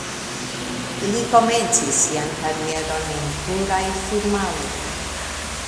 Li komencis sian karieron en pluraj firmaoj.